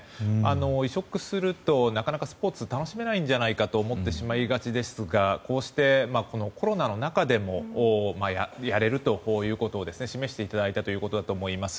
移植するとなかなかスポーツを楽しめないんじゃないかと思ってしまいがちですがこうして、コロナの中でもやれるということを示していただいたということだと思います。